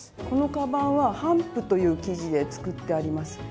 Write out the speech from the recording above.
このカバンは帆布という生地で作ってあります。